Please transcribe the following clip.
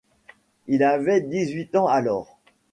Il avait dix-huit ans alors.